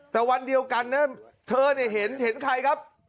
แต่วันเดียวกันนะเธอเนี่ยเห็นใครครับ